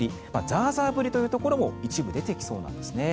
ザーザー降りというところも一部、出てきそうなんですね。